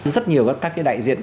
rất nhiều các cái đại diện